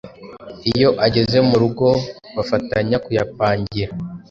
Iyo ageze mu rugo bafatanya kuyapangira,